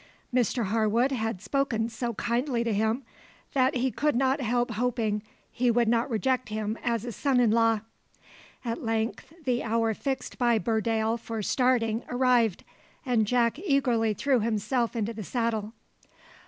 Mr Harwood had spoken so kindly to him, that he could not help hoping he would not reject him as a son in law. At length the hour fixed by Burdale for starting arrived, and Jack eagerly threw himself into the saddle.